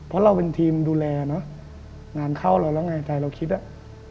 เพราะเราเป็นทีมดูแลเนอะงานเข้าเราแล้วไงใจเราคิดอ่ะ